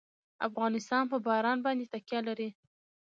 افغانستان په باران باندې تکیه لري.